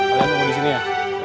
kalian tunggu disini ya